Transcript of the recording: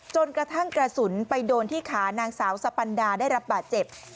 กระทั่งกระสุนไปโดนที่ขานางสาวสปันดาได้รับบาดเจ็บ